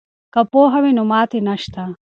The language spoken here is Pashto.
که پوهه وي نو ماتې نشته.